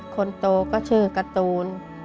คนโตก็ชื่อการ์ตูน